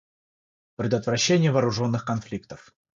Предотвращение вооруженных конфликтов.